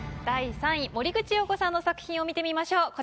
第３位森口瑤子さんの作品を見てみましょう。